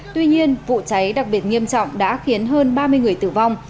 tuy nhiên vụ cháy đặc biệt nghiêm trọng đã khiến hơn ba mươi người tử vong